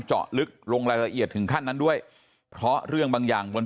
เจาะลึกลงรายละเอียดถึงขั้นนั้นด้วยเพราะเรื่องบางอย่างบน